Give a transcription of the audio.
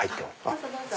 どうぞどうぞ。